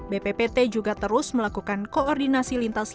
bppt juga terus melakukan koordinasi lintas